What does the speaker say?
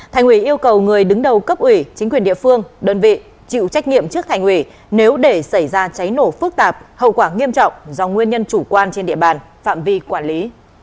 thành ủy yêu cầu người đứng đầu cấp ủy chính quyền địa phương đơn vị chịu trách nhiệm trước thành ủy nếu để xảy ra cháy nổ phức tạp hậu quả nghiêm trọng do nguyên nhân chủ quan trên địa bàn phạm vi quản lý